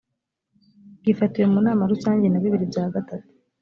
gifatiwe mu nama rusange na bibiri bya gatatu